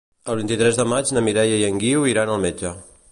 El vint-i-tres de maig na Mireia i en Guiu iran al metge.